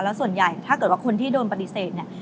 แล้วส่วนใหญ่ถ้าเกิดว่าคนที่โดนปฏิเสธเนี่ย